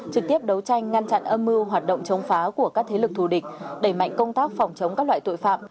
trực tiếp đấu tranh ngăn chặn âm mưu hoạt động chống phá của các thế lực thù địch đẩy mạnh công tác phòng chống các loại tội phạm